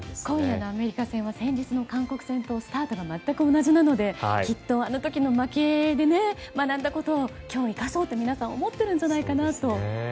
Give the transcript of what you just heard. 今夜のアメリカ戦の戦術韓国戦とスタートが全く同じなのできっとあの時の負けで学んだことを今日、生かそうと皆さん思っているんじゃないかと。